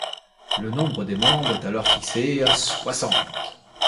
Le nombre des membres est alors fixé à soixante.